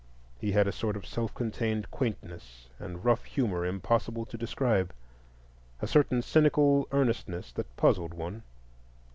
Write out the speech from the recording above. He had a sort of self contained quaintness and rough humor impossible to describe; a certain cynical earnestness that puzzled one.